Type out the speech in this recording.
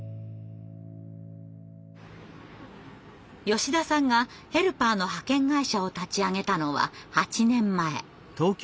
吉田さんがヘルパーの派遣会社を立ち上げたのは８年前。